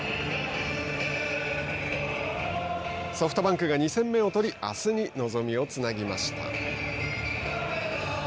ソフトバンクが２戦目を取りあすに望みをつなぎました。